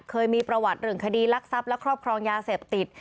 เคยมีประวัติหรือคดีลักษับและครอบครองยาเสพติด